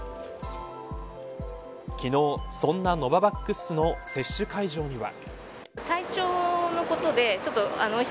昨日、そんなノババックスの接種会場には。